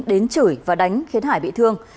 đến chửi và đánh khiến hải bị thương